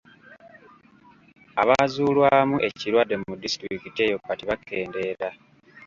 Abazuulwamu ekirwadde mu disitulikiti eyo kati bakendeera.